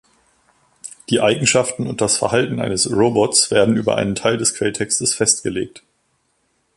Die Eigenschaften und das Verhalten eines "Robots" werden über einen Teil des Quelltextes festgelegt.